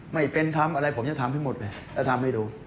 ไม่เป็นทำอะไรผมจะทำให้หมดเลยแล้วทำให้ดู